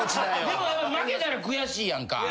でも負けたら悔しいやんか。